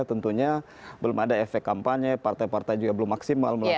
tentunya belum ada efek kampanye partai partai juga belum maksimal melakukan